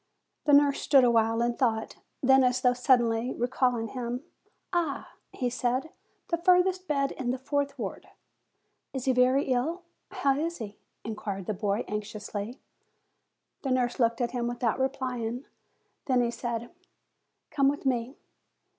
The nurse stood awhile in thought; then, as though suddenly recalling him; "Ah!" he said, "the furthest bed in the fourth ward." "Is he very ill? How is he?" inquired the boy, anxiously. The nurse looked at him, without replying. Then he said, "Come with me."